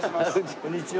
こんにちは。